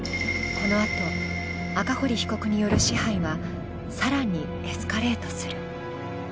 このあと赤堀被告による支配は、更にエスカレートする。